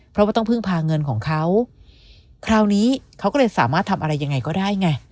เพราะว่าต้องพึ่งพาเงินของเขาคราวนี้เขาก็เลยสามารถทำอะไรยังไงก็ได้ไง